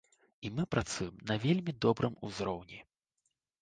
І мы працуем на вельмі добрым узроўні.